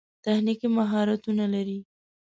تخنیکي مهارتونه لري.